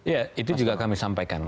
ya itu juga kami sampaikan